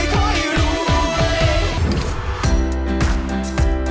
ฮู้ว